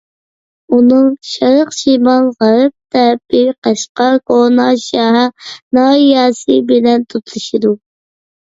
ئۇنىڭ شەرق، شىمال، غەرب تەرىپى قەشقەر كوناشەھەر ناھىيەسى بىلەن تۇتىشىدۇ.